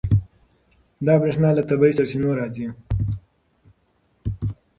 دا برېښنا له طبیعي سرچینو راځي.